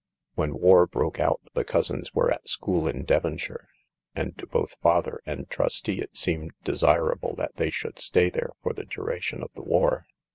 When war broke out the cousins were at school in Devon shire, and to both father and trustee it seemed desirable that they should stay there for the duration of the war.